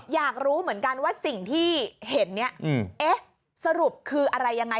อยากรู้เหมือนกันว่าสิ่งที่เห็นเนี่ยเอ๊ะสรุปคืออะไรยังไง